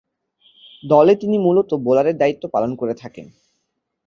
দলে তিনি মূলতঃ বোলারের দায়িত্ব পালন করে থাকেন।